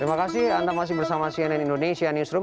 terima kasih anda masih bersama cnn indonesia newsroom